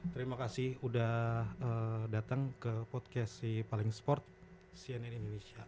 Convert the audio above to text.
terima kasih udah datang ke podcast sipalingsport cnn indonesia